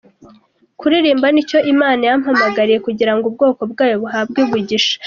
Kuririmba nicyo Imana yampamagariye kugira ngo ubwoko bwayo buhabwe umugisha.